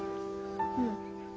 うん。